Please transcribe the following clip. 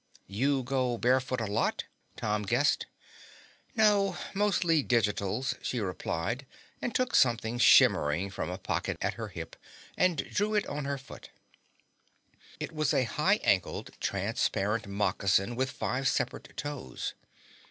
"You go barefoot a lot?" Tom guessed. "No, mostly digitals," she replied and took something shimmering from a pocket at her hip and drew it on her foot. It was a high ankled, transparent moccasin with five separate toes.